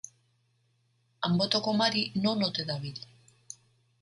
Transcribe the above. Anbotoko Mari non ote dabil?